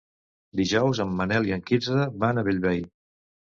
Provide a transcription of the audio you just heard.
Dijous en Manel i en Quirze van a Bellvei.